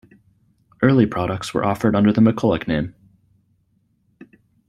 Early products were offered under the McCulloch name.